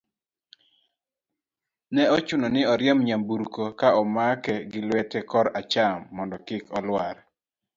ne ochuno ni oriemb nyamburko ka omake gi lwete kor acham mondo kik olwar